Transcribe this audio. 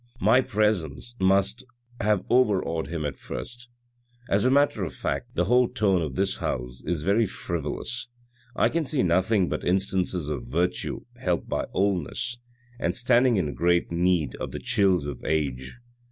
My presence must have overawed him at first. As a matter of fact, the whole tone of this house is very frivolous; I can see nothing but instances of virtue helped by oldness, and standing in great need of the chills of age.